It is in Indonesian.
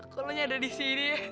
kok lu ada disini ya